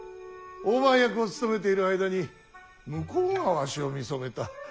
大番役を務めている間に向こうがわしを見初めた。